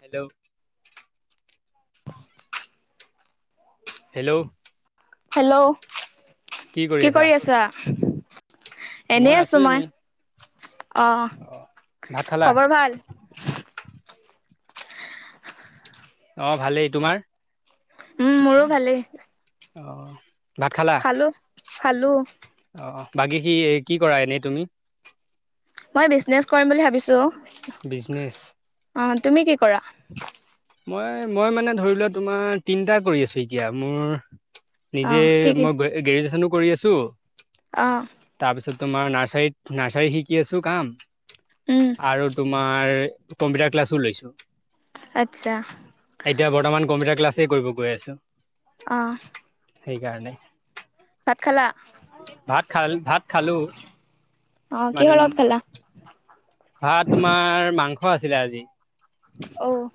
Hello, hello, hello, কি কৰি আছা? মই আছো এনেই। অ' অঁহ ভাত খালা? খবৰ ভাল? অ ভালেই। তোমাৰ? উম মোৰো ভালেই। অঁ। খালো খালো। বাকি কি কি কৰা এনেই তুমি? মই বিজনেছ কৰিম বুলি ভাবিছো অ। বিজনেছ। অ তুমি কি কৰা? মই মই মানে ধৰি লোৱা তোমাৰ তিনটা কৰি আছো এতিয়া মোৰ নিজে অ' মই গ্ৰেজুৱেচনো কৰি আছোঁ। আহ তোমাৰ নাৰ্চাৰীত নাৰ্চাৰীত শিকি আছোঁ কাম। উম, আৰু তোমাৰ কম্পিউটাৰ ক্লাছ লৈছো আচ্ছা। এতিয়া বৰ্তমান কম্পিউটাৰ ক্লা ছে কৰিব গৈ আছো। আঁহ। সেইকাৰণে। ভাত খালা? খা ভাত খালোঁ। অ কি হৰ লগত খালা? ভাত তোমাৰ মাংস আছিলে আজি। অ'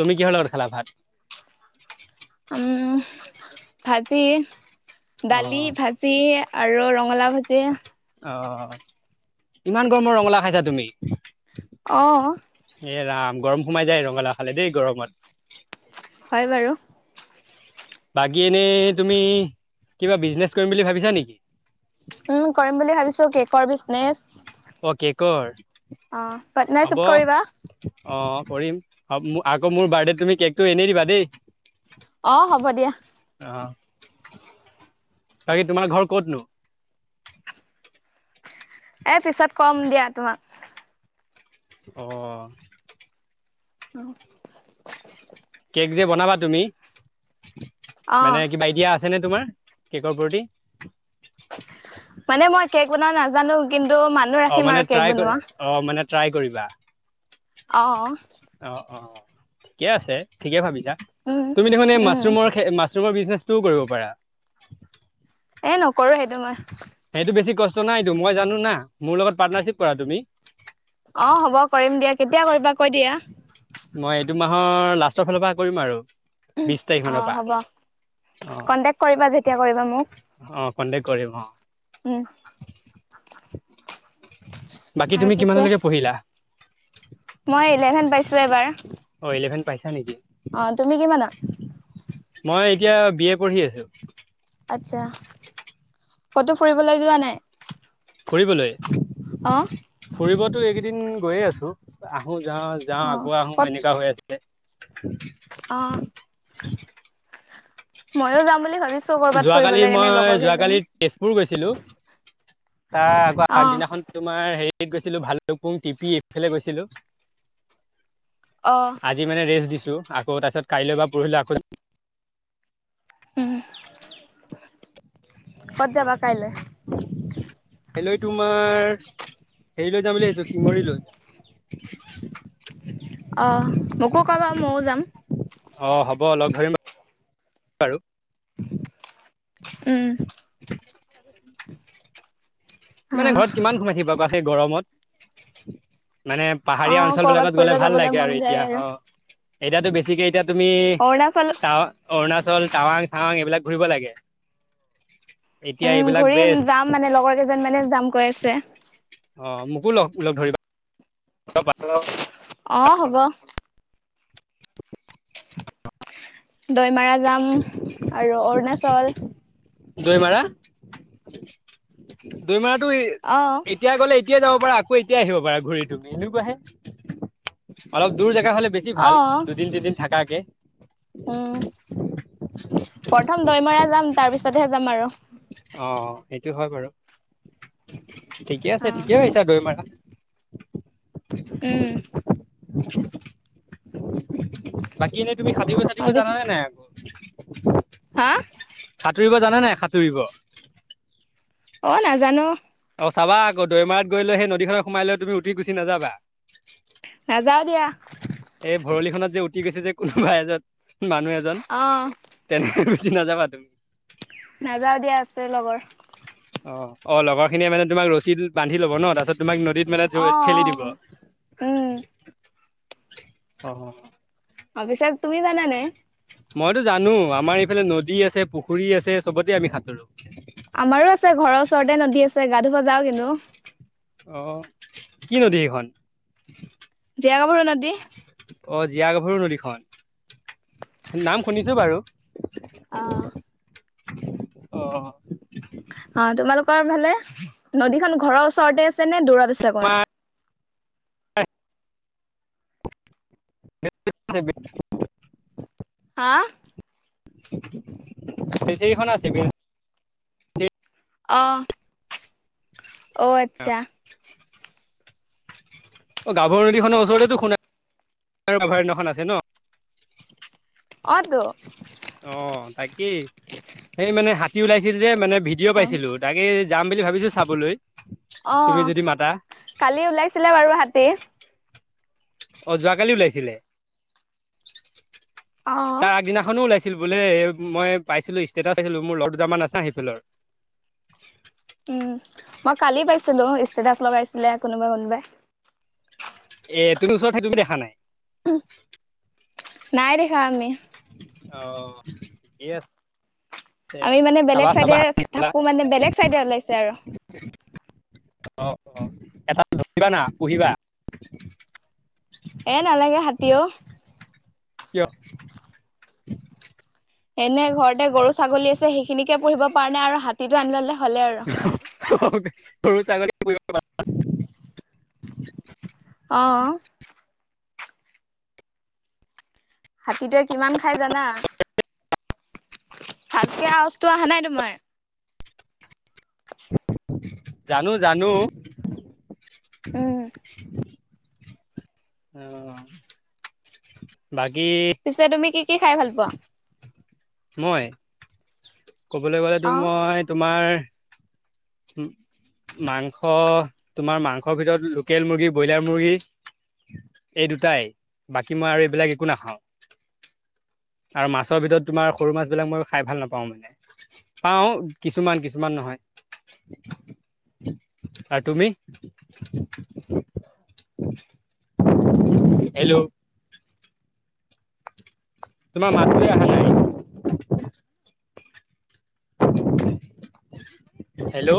তুমি কিহৰ লগত খালা ভাত? [unintelligible] আজি দালি অ', ভাজি আৰু ৰঙালাও ভাজি। অ ইমান গৰমত ৰঙালাউ খাইছা তুমি? অঁহ। এ ৰাম গৰম সোমাই যায়, ৰঙালাও খালে দেই গৰমত। হয় বাৰু। বাকি এনে তুমি কিবা বিজনেছ কৰিম বুলি ভাবিছা নেকি? উম কৰিম বুলি ভাবিছো, কেকৰ বিজনেছ। কৰ? অ পাৰ্টনাৰশ্বিপ কৰিবা? অঁ কৰিম। আকৌ মোৰ বাৰ্থডেত তুমি কেকটো এনেই দিবা দেই। অ হ'ব দিয়া। বাকি তোমাৰ ঘৰ ক'তনো? এ পিছত কম দিয়া তোমাক। অহ। উম কেক যে বনাবা তুমি মানে অ', কিবা আইডিয়া আছে নে তোমাৰ কেকৰ প্ৰতি? মানে মই কেক বনাব নাজানো কিন্তু মানুহ অ', ৰাখিম মানে আৰু ট্ৰাই কেক বনোৱা। অ', মানে ট্ৰাই কৰিবা। অঁহহ। অ', অ', ঠিকে আছে ঠিকে ভাবিছা উম, তুমি দেখোন এই উম, মাছৰুমৰ খে মাছ ৰুমৰ বিজনেছটোও কৰিব পাৰা। এ নকৰো সেইটো মই। নাইটো মই জানো না মোৰ লগত পাৰ্টনাৰশ্বিপ কৰা তুমি। অ হ'ব কৰিম দিয়া। কেতিয়া কৰিবা কৈ দিয়া? মই এইটো মাহৰ লাষ্টৰ ফালৰ পৰা কৰিম আৰু। বিশ তাৰিখ মানৰ অ', হ'ব। পৰা কন্টেক্ট কৰিবা যেতিয়া কৰিবা মোক আহ অ কণ্টেক্ট কৰিম অ। উম বাকী আৰু তুমি পিছে কিমানলৈকে পঢ়িলা? মই ইলেভেন পাইছোঁ এবাৰ, অ' ইলেভেন পাইছা নেকি? অ তুমি কিমানত? মই এতিয়া বি এ পঢ়ি আছোঁ। আচ্ছা কতো ফুৰিবলৈ যোৱা নাই? ফুৰিবলৈ, অ', ফুৰিবতো এইকেইদিন গৈয়ে আছোঁ আহো। যাওঁ যাওঁ অ', আকৌ আহোম এনেকা হৈ আছে। অঁ মইয়ো যাম বুলি ভাবিছো কৰবাত ফুৰিব যোৱাকালি লে কেনে মই লগৰ যোৱাকালি কেইজনি তেজপুৰ গৈছিলো তাৰ আকৌ আগদিনাখন তোমাৰ হেৰি গৈছিলো ভালুকপুং, টিপি, এইফালে গৈছিলো। অ'। আজি মানে ৰেষ্ট দিছো আকৌ তাৰ পিছত কাইলৈ বা পৰহিলে আকৌ। উম কত যাবা কাইলৈ? কাইলৈ তোমাৰ হেৰি লৈ যাম বুলি ভাবিছো শিঙৰীলৈ। আহ মোকো কবা মইও যাম। অ হ'ব লগ ধৰিম বাৰু। উম মানে ঘৰত আহ কিমান সোমাই থাকিবা বা সেই গৰমত। মানে অ পাহাৰীয়া অঞ্চল কৰবাত বিলাকত গলে ফুৰিব ভাল যাবলে লাগে মন আৰু যায় এতিয়া অ। এতিয়াতো বেছিকে এতিয়া তুমি অৰুণাচল টাৱ, অৰুণাচল টাৱাং চাৱাং এইবিলাক ঘুৰিব লাগে। এতিয়া উম এইবিলাক ঘূৰিম বেষ্ট যাম মানে লগৰ কেইজন মানে যাম কৈ আছে। অ মোকো লগ লগ ধৰিবা। অ হ'ব। দৈমাৰা যাম আৰু অৰুণাচল। দৈমাৰা দৈমাৰটো অ এতিয়া গ'লে এতিয়া যাব। আকৌ এতিয়া আহিব পাৰা ঘূৰি তুমি এনেকুৱে অলপ দূৰ। থকা হলে বেছি অ ভাল দুদিন তিনিদিন থাকাকে। উম প্ৰথম দৈমৰা যাম তাৰ পিছতহে যাম আৰু। অ সেইটো হয় বাৰু, ঠিকে আছে অ ঠিকে কৈছা দৈমাৰা। উম [unintelligible] বাকী এনেই তুমি সাটুৰিব চাটোৰিব ভাবিছ জানা নাই আকৌ। হা। সাঁতুৰিব জানে নাই সাঁতুৰিব। অ নাজানো। অ চাবা আকৌ দৈমাৰা গৈ সেই নদীখন সোমাই লৈ তুমি উতি গুচি নাযাবা। নাজাওঁ দিয়া। এই ভৰলিখনত যে উঠি গৈছে যে কোনোবাই এজন মানুহ এজন অ তেনে। উতি নাযাবা তুমি। নাযাও দিয়া আছে লগৰ। অ অ লগৰ খিনিয়ে মানে তোমাক ৰচী বান্ধি ল'ব ন তাপাছত তোমাক। পানীত অ মানে ঠেলি অ দিব। উম অ। অভিশাস তুমি জানানে। মইতো জানো আমাৰ এইফালে নদী আছে পুখুৰী আছে সবতে আমি সাঁতো। আমাৰো আছে ঘৰৰ ওচৰতে নদী আছে গা ধুব যাও কিন্তু। আহ কি নদী সেইখন। জিয়াগাভৰো নদী। অ জীয়া গাভৰু নদীখন নাম শুনিছো বাৰু। অ। অ। অ তোমালোকৰ ফালে নদীখন ঘৰৰ ওচৰতে আছে নে দূৰত আছে অকণমান। [unintelligible] হা। ফিচাৰিখন আছে বি। অ অও আচ্ছা। [unintelligible] অ গাভৰো নদীখনৰ ওচৰতেতো সুণা অভয়াৰণ্যখন আছে ন। অতো। অ তাকেই সেই মানে হাতী ওলাইছিল যে মানে ভিডিঅ' পাইছিলো তাকে। যাম বুলি ভাবিছো চাবলৈ। অ তুমি যদি মাতা। কালি ওলাইছিলে বাৰু হাতী। অ যোৱাকালি ওলাইছিলে অ'। তাৰ আগদিনাখনো ওলাইছ। ছিল বোলে মই পাইছিলো ষ্টেটাছ আছিলো মোৰ ৰদ দুটাৰামান আছা সেইফালৰ। উম মই কালি পাইছিলো ইষ্টেটাছ লগাইছিলে কোনোবাই কোনোবাই। এ তুমি ওচৰতে থাকিও দেখা নাই। নাই দেখ আমি। অ কি আ। আমি মানে বেলেগ চাইডে চাবা থাকো মানে বেলেগ চাইডে ওলাইছে আৰু। অ অ এটাল ধৰিবা না পুহিবা। এ নালাগে হাতী অ। কিয়। এনে ঘৰতে গৰু ছাগলী আছে সেইখিনিকে পুঢ়িব পৰা নাই আৰু হাতীটো আনি ললে। হ'লে আৰু। গৰু ছাগলী পুহি [unintelligible] অ। হাতীটোৱে কিমান খাই জানা। ভালকে আউআছ টো অহা নাই তোমাৰ। [unintelligible] জানো জানো। উম, অ বা। পিছে তুমি কি কি খাই ভাল পোৱা। মই। কবলৈ গ'লেতো অ'। মই তোমাৰ। উম। মাংস তোমাৰ মাংসৰ ভিতৰত লোকেল মুৰ্গী ব্ৰইলাৰ মুৰ্গী। এই দুটাই বাকী মই আৰু এইবিলাক একো নাখাও। আৰু মাছৰ ভিতৰত তোমাৰ সৰু মাছ বিলাক মই খাই ভাল নাপাওঁ মানে পাওঁ কিছুমান কিছুমান নহয়। আৰু তুমি। হেল্ল'। তোমাৰ মাতটোৱে অহা নাই। হেল্ল'।